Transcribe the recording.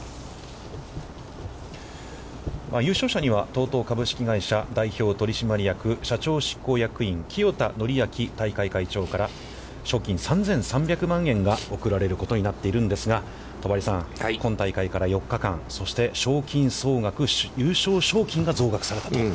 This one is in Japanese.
優勝者には、ＴＯＴＯ株式会社代表取締役社長執行役員清田徳明大会会長から賞金３３００万円が贈られることになっておりますが戸張さん、今大会から４日間、そして、賞金総額優勝賞金が増額されたと。